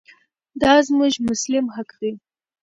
دا زموږ مسلم حق دی.